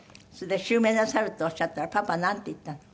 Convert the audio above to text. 襲名なさるとおっしゃったらパパなんて言ったの？